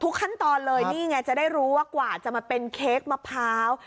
ขั้นตอนเลยนี่ไงจะได้รู้ว่ากว่าจะมาเป็นเค้กมะพร้าว